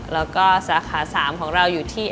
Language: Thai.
แล้วก็สาขา๓ของเราอยู่ที่